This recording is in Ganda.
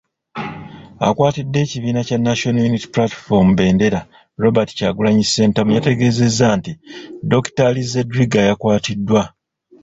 Akwatidde ekibiina kya National Unity Platform bbendera, Robert Kyagulanyi Ssentamu yategeezezza nti Dokitaali Zedriga yakwatiddwa.